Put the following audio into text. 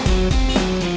nanti gue lidesh lagi kan